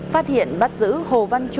phát hiện bắt giữ hồ văn chu